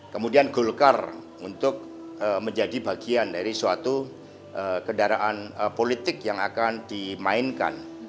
kemudian golkar untuk menjadi bagian dari suatu kendaraan politik yang akan dimainkan